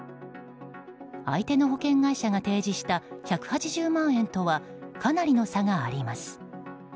相手の保険会社が提示した１８０万円とはかなりの差があります。